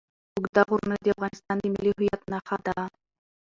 اوږده غرونه د افغانستان د ملي هویت نښه ده.